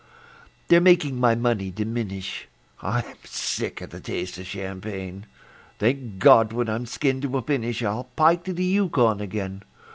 They're making my money diminish; I'm sick of the taste of champagne. Thank God! when I'm skinned to a finish I'll pike to the Yukon again.